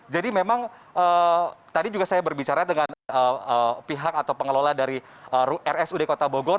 jadi memang tadi juga saya berbicara dengan pihak atau pengelola dari rs ud kota bogor